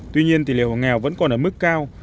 tuy nhiên tỷ lệ hộ nghèo vẫn còn ở mức cao